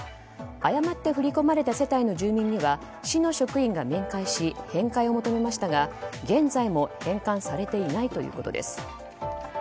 誤って振り込まれた世帯の住民には市の職員が面会し返還を求めましたが現在も返還されていないということです。